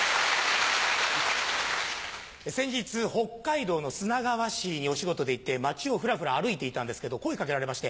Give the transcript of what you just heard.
先日北海道の砂川市にお仕事で行って街をフラフラ歩いていたんですけど声掛けられまして。